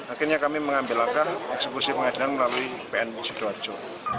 akhirnya kami mengambil langkah eksekusi pengadilan melalui pn sidoarjo